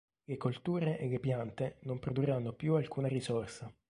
Le colture e le piante non produrranno più alcuna risorsa.